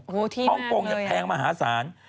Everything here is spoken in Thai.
โอ้โฮที่นั่นเลยฮ่องกงแพงมหาศาล